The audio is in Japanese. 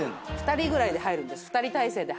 ２人ぐらいで入るんです。